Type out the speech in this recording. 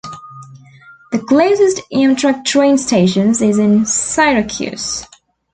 The closest Amtrak train station is in Syracuse.